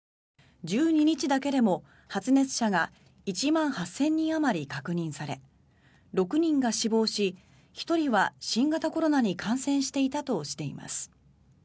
１２日だけでも発熱者が１万８０００人あまり確認され６人が死亡し１人は新型コロナに感染したとしています。